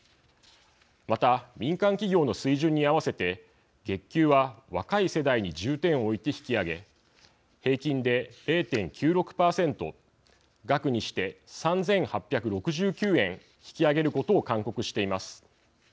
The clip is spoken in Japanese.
また、民間企業の水準に合わせて月給は、若い世代に重点を置いて引き上げ平均で０．９６％額にして３８６９円引き上げることを勧告しています。